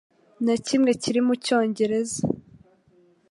na kimwe kiri mu Cyongereza.